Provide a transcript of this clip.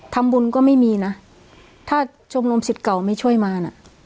ทำบุญก็ไม่มีนะถ้าชมรมสิทธิ์เก่าไม่ช่วยมาน่ะ